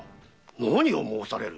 何を申される。